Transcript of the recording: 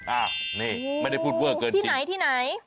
อ้านี่ไม่ได้พูดเวิร์คเกินจริงที่ไหน